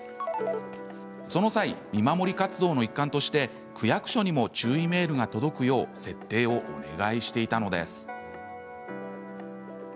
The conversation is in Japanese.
その際、見守り活動の一環として区役所にも注意メールが届くよう設定をお願いしていたのです。